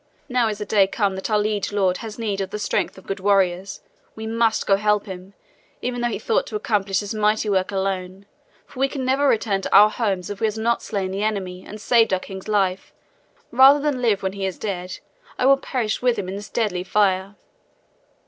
Now is the day come that our liege lord has need of the strength of good warriors. We must go help him, even though he thought to accomplish this mighty work alone, for we can never return to our homes if we have not slain the enemy and saved our king's life. Rather than live when he is dead, I will perish with him in this deadly fire."